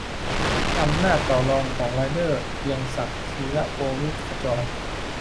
อำนาจต่อรองของไรเดอร์ - เกรียงศักดิ์ ธีระโกวิทขจร